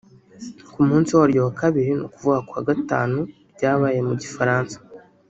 ku munsi waryo wa kabiri ni ukuvuga ku wa Gatanu ryabaye mu Gifaransa